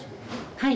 はい。